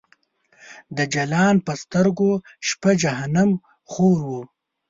د جلان په سترګو شپه جهنم خور و